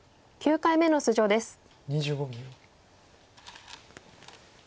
２５秒。